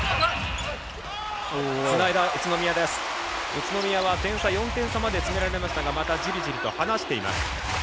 宇都宮は点差４点まで詰められましたがまたじりじりと離しています。